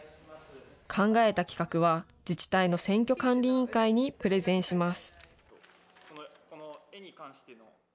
考えた企画は、自治体の選挙管理委員会にプレゼンします。